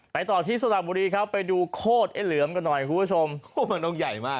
ไปต่อที่สลับบุรีครับไปดูโคตรเอ๋เหลือมกันหน่อยคุณผู้ชม